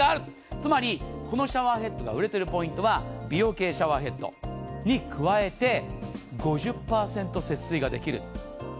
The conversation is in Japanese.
つまりこのシャワーヘッドが売れているポイントは美容系シャワーヘッドに加えて５０％節水ができる。